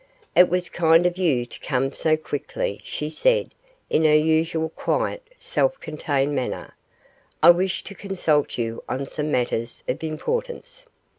'It was kind of you to come so quickly,' she said, in her usual quiet, self contained manner; 'I wish to consult you on some matters of importance.